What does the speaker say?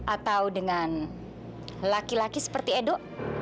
atau dengan laki laki seperti edo